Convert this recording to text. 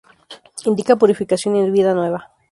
Indica purificación y vida nueva.